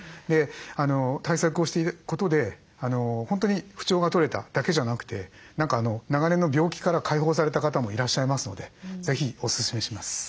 対策をしていくことで本当に不調が取れただけじゃなくて何か長年の病気から解放された方もいらっしゃいますので是非おすすめします。